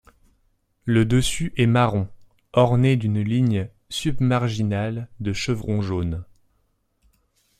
Le dessus est marron orné d'une ligne submarginale de chevrons jaunes.